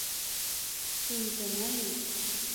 پینځنۍ